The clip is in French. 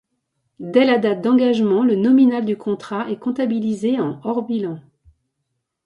Dès la date d'engagement le nominal du contrat est comptabilisé en hors-bilan.